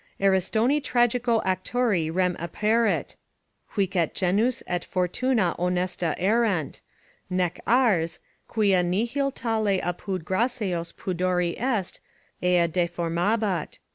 "Aristoni tragico actori rem aperit: huic et genus et fortuna honesta erant: nec ars, quia nihil tale apud Graecos pudori est, ea deformabat."